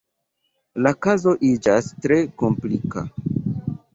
La kazo iĝas tre komplika.